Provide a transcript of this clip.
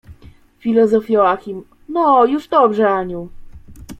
Filozof Joachim: — No, już dobrze, Aniu.